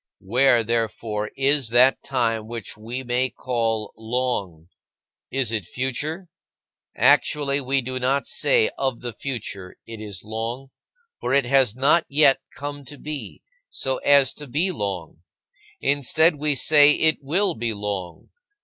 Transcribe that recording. Where, therefore, is that time which we may call "long"? Is it future? Actually we do not say of the future, "It is long," for it has not yet come to be, so as to be long. Instead, we say, "It will be long."